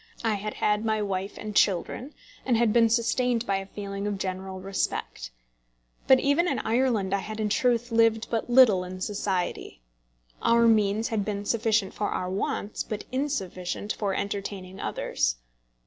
I had had my wife and children, and had been sustained by a feeling of general respect. But even in Ireland I had in truth lived but little in society. Our means had been sufficient for our wants, but insufficient for entertaining others.